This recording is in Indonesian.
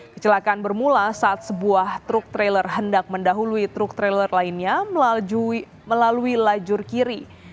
kecelakaan bermula saat sebuah truk trailer hendak mendahului truk trailer lainnya melalui lajur kiri